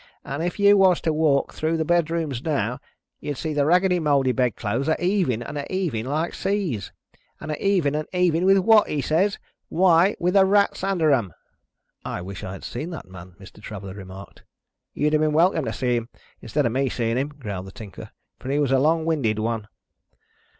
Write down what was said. And if you was to walk through the bedrooms now, you'd see the ragged mouldy bedclothes a heaving and a heaving like seas. And a heaving and a heaving with what?' he says. 'Why, with the rats under 'em.'" "I wish I had seen that man," Mr. Traveller remarked. "You'd have been welcome to see him instead of me seeing him," growled the Tinker; "for he was a long winded one."